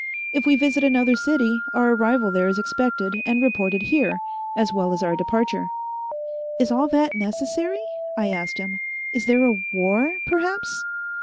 If we visit another city, our arrival there is expected and reported here, as well as our departure." "Is all that necessary?" I asked him. "Is there a war, perhaps?"